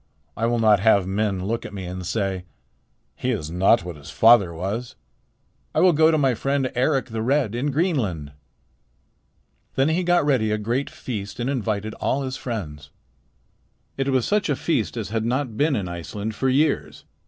'I will not have men look at me and say, "He is not what his father was." I will go to my friend Eric the Red in Greenland.' "Then he got ready a great feast and invited all his friends. It was such a feast as had not been in Iceland for years.